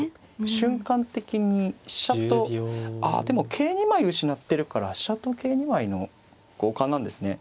瞬間的に飛車とあでも桂２枚失ってるから飛車と桂２枚の交換なんですね。